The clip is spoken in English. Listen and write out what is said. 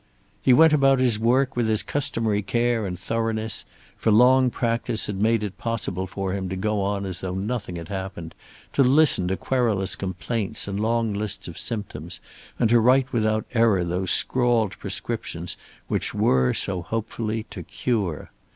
He went about his work with his customary care and thoroughness, for long practice had made it possible for him to go on as though nothing had happened, to listen to querulous complaints and long lists of symptoms, and to write without error those scrawled prescriptions which were, so hopefully, to cure.